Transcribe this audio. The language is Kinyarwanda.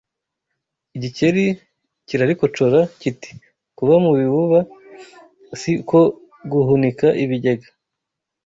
Igikeri kirarikocora kiti Kuba mu bibuba si ko guhunika ibigega